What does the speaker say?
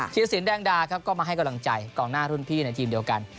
ธิรสินแดงดาครับก็มาให้กำลังใจกองหน้ารุ่นพี่ในทีมเดียวกัน